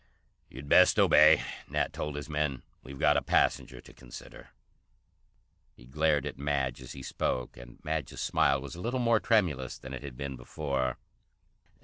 "You'd best obey," Nat told his men. "We've got a passenger to consider." He glared at Madge as he spoke, and Madge's smile was a little more tremulous than it had been before.